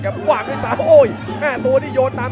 คู่ด้านในไม่ใช่ฐนักของทั้งคู่อยู่แล้วครับ